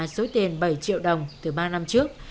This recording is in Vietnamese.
số tiền bảy triệu đồng từ ba năm trước